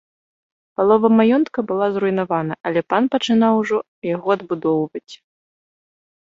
Палова маёнтка была зруйнавана, але пан пачынаў ужо яго адбудоўваць.